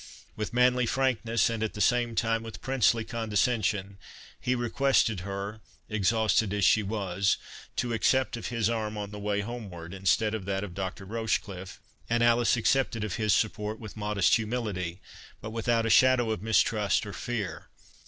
With manly frankness, and, at the same time, with princely condescension, he requested her, exhausted as she was, to accept of his arm on the way homeward, instead of that of Dr. Rochecliffe; and Alice accepted of his support with modest humility, but without a shadow of mistrust or fear.